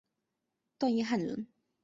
段业汉人。